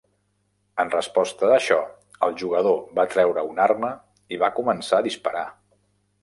En resposta a això, el jugador va treure una arma i va començar a disparar.